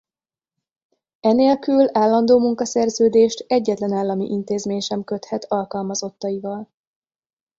E nélkül állandó munkaszerződést egyetlen állami intézmény sem köthet alkalmazottaival.